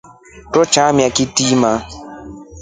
Twe tamia kitima.